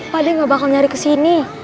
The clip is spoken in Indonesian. pak dia gak bakal nyari kesini